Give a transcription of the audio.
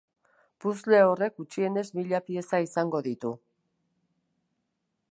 Puzzle horrek gutxienez mila pieza izango ditu.